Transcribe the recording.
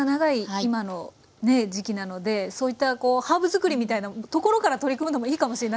今のね時期なのでそういったハーブ作りみたいなところから取り組むのもいいかもしれないですね。